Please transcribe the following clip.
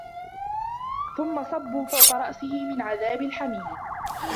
ثُمَّ صُبّوا فَوقَ رَأسِهِ مِن عَذابِ الحَميمِ